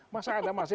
masa ada masalah